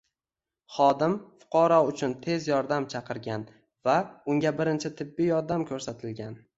Xodim fuqaro uchun tez yordam chaqirgan va unga birinchi tibbiy yordam ko‘rsatilgan